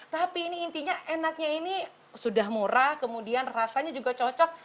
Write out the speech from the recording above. tapi ini intinya enaknya ini sudah murah kemudian rasanya juga cocok